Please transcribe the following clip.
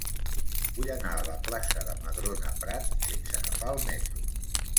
Vull anar a la plaça de Madrona Prat sense agafar el metro.